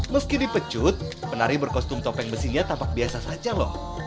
meski dipecut penari berkostum topeng besinya tampak biasa saja loh